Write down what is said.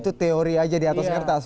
itu teori aja di atas kertas